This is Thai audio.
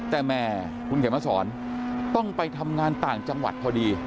แต่แหมคุณเขียนมาสอนต้องไปทำงานต่างจังหวัดพอดี